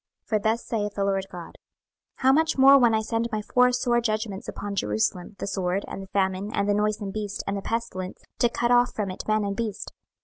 26:014:021 For thus saith the Lord GOD; How much more when I send my four sore judgments upon Jerusalem, the sword, and the famine, and the noisome beast, and the pestilence, to cut off from it man and beast?